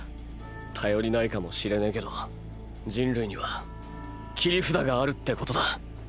頼りないかもしれねぇけど人類には切り札があるってことだ。